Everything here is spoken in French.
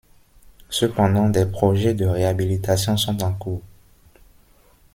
Cependant, des projets de réhabilitation sont en cours.